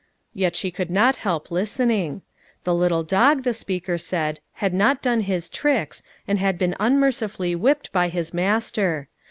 Yet she could not help listening. The little dog, the speaker said, had not done his tricks, and had been unmercifully whipped by his master.